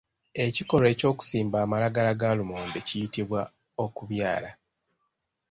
Ekikolwa eky’okusimba amalagala ga lumonde kiyitibwa okubyala.